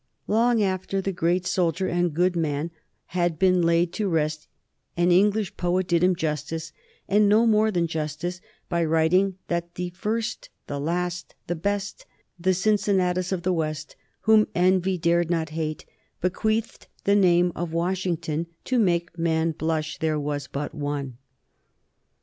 Long after the great soldier and good man had been laid to rest an English poet did him justice, and no more than justice, by writing that "the first, the last, the best, the Cincinnatus of the West, whom envy dared not hate, bequeathed the name of Washington to make man blush there was but one."